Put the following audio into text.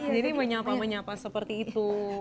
jadi menyapa menyapa seperti itu